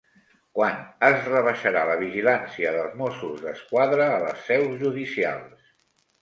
Quan es rebaixarà la vigilància dels Mossos d'Esquadra a les seus judicials?